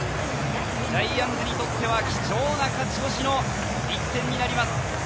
ジャイアンツにとっては貴重な勝ち越しの１点になります。